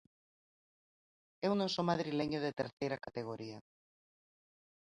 Eu non son madrileño de terceira categoría.